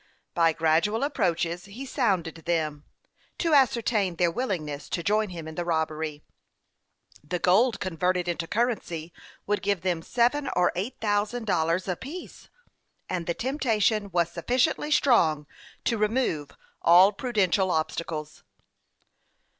By gradual approaches he sounded them, to ascer tain their willingness to join him in the robbery. The gold converted into currency would give them seven or eight thousand dollars apiece, and the temp tation was sufficiently strong to remove all prudential obstacles.